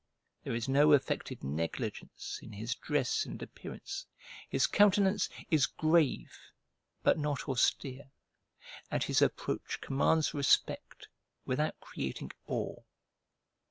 There is no affected negligence in his dress and appearance; his countenance is grave but not austere; and his approach commands respect without creating awe.